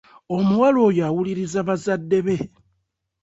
Omuwala oyo awuliriza bazadde be.